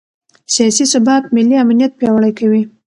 سیاسي ثبات ملي امنیت پیاوړی کوي